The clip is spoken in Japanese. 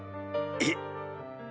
えっ？